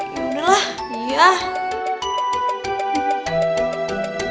ya udahlah ya